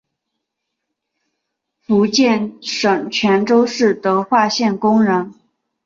福建省泉州市德化县工人。